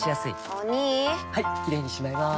お兄はいキレイにしまいます！